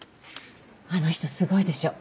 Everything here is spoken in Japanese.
あの人すごいでしょ。